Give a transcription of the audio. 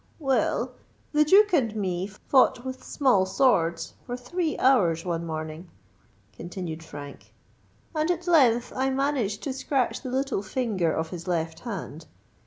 "Well—the Duke and me fought with small swords for three hours one morning," continued Frank; "and at length I managed to scratch the little finger of his left hand.